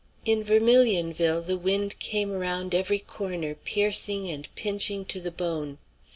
In Vermilionville the wind came around every corner piercing and pinching to the bone.